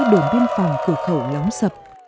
đồn biên phòng cửa khẩu lóng sập